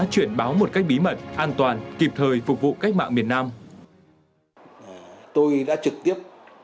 cách mạng miền nam